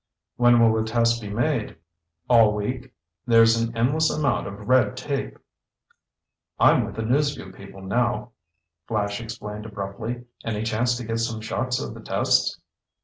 "When will the tests be made?" "All week. There's an endless amount of red tape." "I'm with the News Vue people now," Flash explained abruptly. "Any chance to get some shots of the tests?"